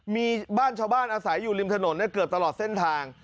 มีบ้านชาวบ้านอาศัยอยู่ริมถนนเกือบตลอดเส้นทาง